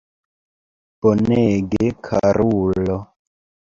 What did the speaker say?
Bonege, karulo!